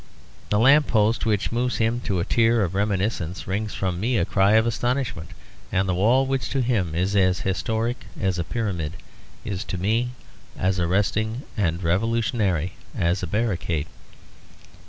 The lamp post which moves him to a tear of reminiscence wrings from me a cry of astonishment; and the wall which to him is as historic as a pyramid is to me as arresting and revolutionary as a barricade.